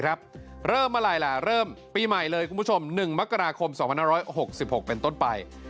เริ่มเมื่อไหร่ล่ะเริ่มปีใหม่เลยคุณผู้ชม๑มกราคม๒๕๖๖เป็นต้นไป